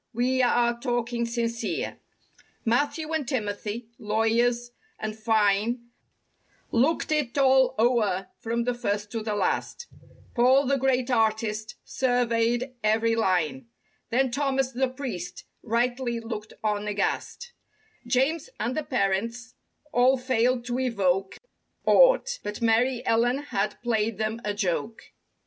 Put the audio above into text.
We are talking sincere. Matthew and Timothy—lawyers, and fine Looked it all o'er from the first to the last; Paul, the great artist, surveyed every line; Then Thomas, the priest, rightly looked on aghast; James and the parents—all failed to evoke Aught but Mary Ellen had played them a joke.